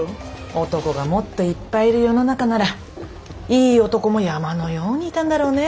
男がもっといっぱいいる世の中ならいい男も山のようにいたんだろうねぇ。